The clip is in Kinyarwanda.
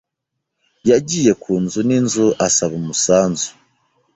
Yagiye ku nzu n'inzu asaba umusanzu.